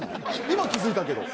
今気付いたけど。